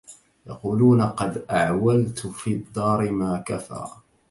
يقولون قد أعولت في الدار ما كفى